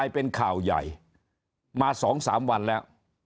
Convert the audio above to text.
เป็นห่าวใหญ่มาสองสามวันแล้ว